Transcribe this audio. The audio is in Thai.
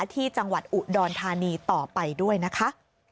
ที่จังหวัดอุดรธานีต่อไปด้วยนะคะ